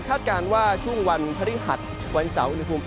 การว่าช่วงวันพฤหัสวันเสาร์อุณหภูมิ